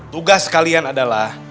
tugas kalian adalah